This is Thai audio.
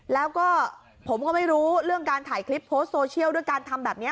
แล้วก็ผมก็ไม่รู้เรื่องการถ่ายคลิปโพสต์โซเชียลด้วยการทำแบบนี้